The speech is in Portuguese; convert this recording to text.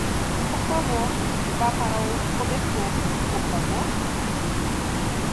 Por favor, vá para outro cobertor, por favor?